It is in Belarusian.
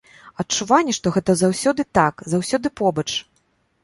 Адчуванне, што гэта заўсёды так, заўсёды побач.